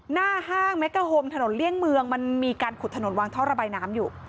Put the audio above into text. หน้าห้างแมกกาโฮมถนนเลี่ยงเมืองมันมีการขุดถนนวางท่อระบายน้ำอยู่